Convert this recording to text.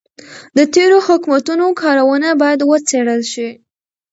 د تېرو حکومتونو کارونه باید وڅیړل شي.